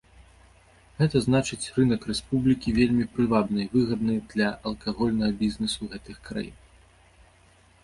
Гэта значыць рынак рэспублікі вельмі прывабны і выгадны для алкагольнага бізнесу гэтых краін.